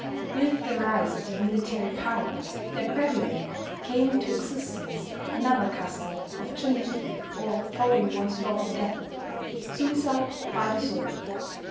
With the rise of the military power there gradually came into existence another custom of junshi, or following one's lord in death, suicide by the sword.